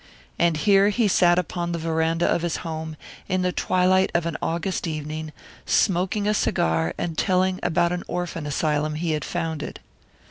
And here he sat upon the veranda of his home, in the twilight of an August evening, smoking a cigar and telling about an orphan asylum he had founded!